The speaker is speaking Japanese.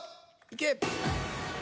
いけ。